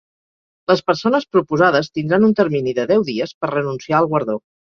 Les persones proposades tindran un termini de deu dies per renunciar al guardó.